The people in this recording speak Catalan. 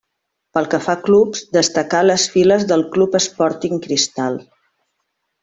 Pel que fa a clubs, destacà a les files del club Sporting Cristal.